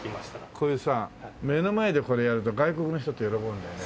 これさ目の前でこれやると外国の人って喜ぶんだよね。